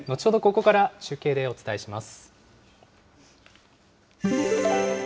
ここから中継でお伝えします。